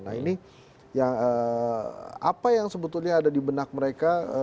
nah ini apa yang sebetulnya ada di benak mereka